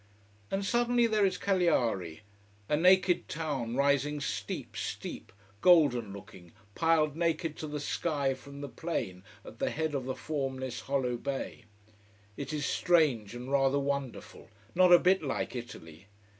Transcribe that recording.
And suddenly there is Cagliari: a naked town rising steep, steep, golden looking, piled naked to the sky from the plain at the head of the formless hollow bay. It is strange and rather wonderful, not a bit like Italy.